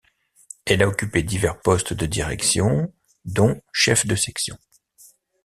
Elle a occupé divers postes de direction dont chef de section.